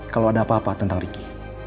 kalo ada apa apa tentang riki